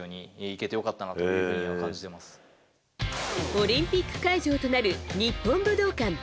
オリンピック会場となる日本武道館。